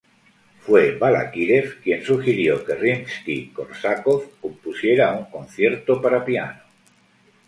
Fue Balákirev quien sugirió que Rimski-Kórsakov compusiera un concierto para piano.